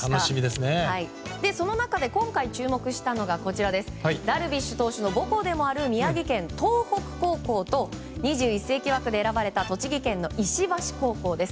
その中で今回注目したのがダルビッシュ投手の母校でもある宮城県・東北高校と２１世紀枠で選ばれた栃木県の石橋高校です。